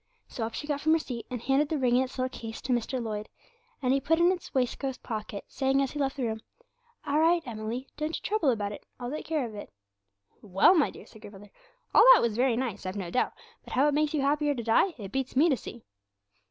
So up she got from her seat, and handed the ring in its little case to Mr. Lloyd, and he put it in his waistcoat pocket, saying, as he left the room, "All right, Emily, don't you trouble about it; I'll take care of it."' 'Well, my dear,' said grandmother, 'all that was very nice, I've no doubt; but how it makes you any happier to die, it beats me to see.'